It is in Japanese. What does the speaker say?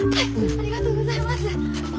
ありがとうございます。